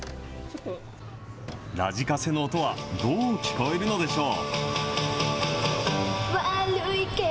ラジカセの音は、どう聞こえるのでしょう。